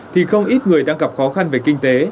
thì không ít người đang gặp khó khăn về kinh tế